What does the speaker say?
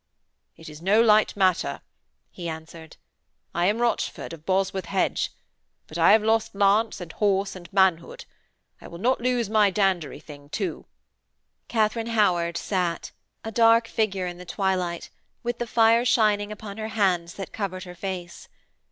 'It is no light matter,' he answered. 'I am Rochford of Bosworth Hedge. But I have lost lance and horse and manhood. I will not lose my dandery thing too.' Katharine Howard sat, a dark figure in the twilight, with the fire shining upon her hands that covered her face.